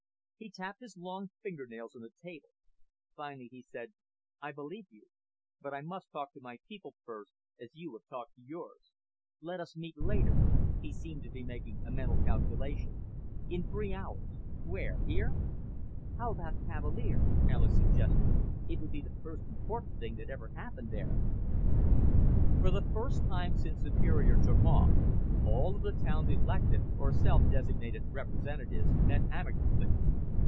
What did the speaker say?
He tapped his long fingernails on the table. Finally he said, "I believe you. But I must talk to my people first, as you have talked to yours. Let us meet later" he seemed to be making a mental calculation "in three hours. Where? Here?" "How about Cavalier?" Alis suggested. "It would be the first important thing that ever happened there." For the first time since Superior took off, all of the town's elected or self designated representatives met amicably.